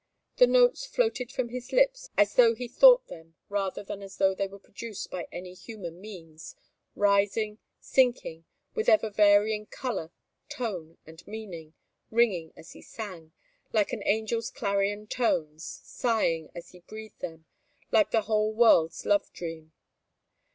The notes floated from his lips as though he thought them rather than as though they were produced by any human means, rising, sinking, with ever varying colour, tone, and meaning, ringing, as he sang, like an angel's clarion tones, sighing, as he breathed them, like the whole world's love dream.